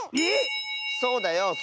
え⁉そうだよ。